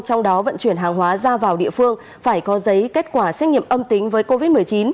trong đó vận chuyển hàng hóa ra vào địa phương phải có giấy kết quả xét nghiệm âm tính với covid một mươi chín